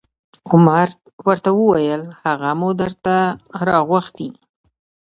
عمر ورته وویل: هغه مو درته راغوښتی